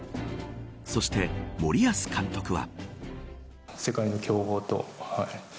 そして森保監督は。